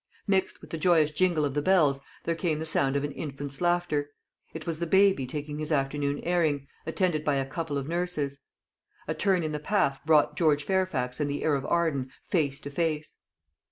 Mixed with the joyous jingle of the bells, there came the sound of an infant's laughter. It was the baby taking his after dinner airing, attended by a couple of nurses. A turn in the path brought George Fairfax and the heir of Arden face to face.